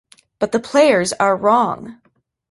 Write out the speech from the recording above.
But the players are wrong.